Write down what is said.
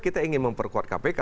kita ingin memperkuat kpk